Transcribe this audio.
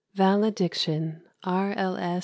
VALEDICTION (R. L. S.